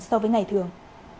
so với ngày thường